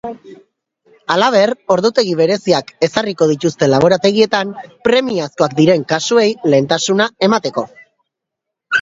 Halaber, ordutegi bereziak ezarriko dituzte laborategietan premiazkoak diren kasuei lehentasuna emateko.